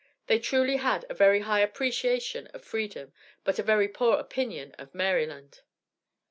They truly had a very high appreciation of freedom, but a very poor opinion of Maryland.